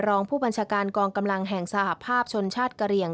รองผู้บัญชาการกองกำลังแห่งสหภาพชนชาติกะเหลี่ยง